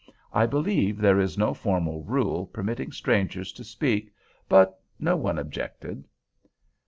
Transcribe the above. I believe there is no formal rule permitting strangers to speak; but no one objected.